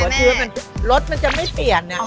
ใช่หัวเชื้อรสมันจะไม่เปลี่ยนนะ